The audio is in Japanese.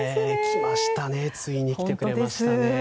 来ましたね、ついに。来てくれましたね。